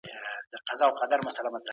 ذمي زموږ په منځ کي د پوره ازادۍ خاوند دی.